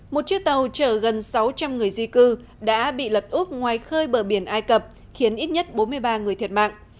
một chiếc tàu chở gần sáu trăm linh người di cư đã bị lật úp ngoài khơi bờ biển ai cập khiến ít nhất bốn mươi ba người thiệt mạng